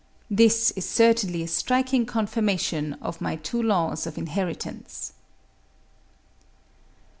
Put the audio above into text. This is certainly a striking confirmation of my two laws of inheritance.